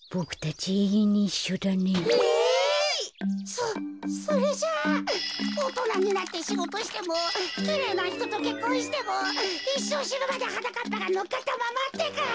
そそれじゃあおとなになってしごとしてもきれいなひととけっこんしてもいっしょうしぬまではなかっぱがのっかったままってか？